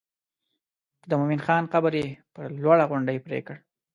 د مومن خان قبر یې پر لوړه غونډۍ پرېکړ.